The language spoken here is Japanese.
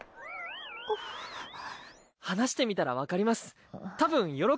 話してみたらわかります。